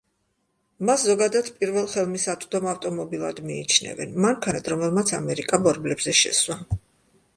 მას ზოგადად პირველ ხელმისაწვდომ ავტომობილად მიიჩნევენ, მანქანად, რომელმაც „ამერიკა ბორბლებზე შესვა“.